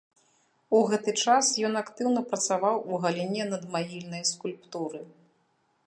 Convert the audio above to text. У гэты час ён актыўна працаваў у галіне надмагільнай скульптуры.